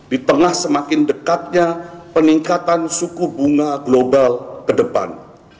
di tengah semakin dekatnya peningkatan suku bunga global ke depan